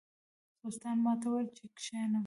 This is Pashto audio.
سلطان ماته وویل چې کښېنم.